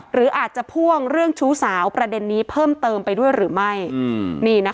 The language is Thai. หรืออาจจะพ่วงเรื่องชู้สาวประเด็นนี้เพิ่มเติมไปด้วยหรือไม่